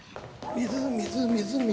水水水水。